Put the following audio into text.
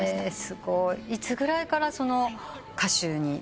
すごい。いつぐらいから歌手に。